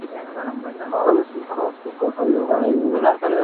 هغه له سیند څخه ټوپ کړ او یو غار یې ولید